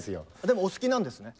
でもお好きなんですね。